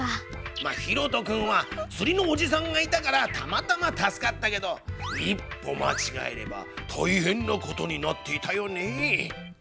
まっヒロト君はつりのおじさんがいたからたまたま助かったけど一歩まちがえればたいへんな事になっていたよねぇ。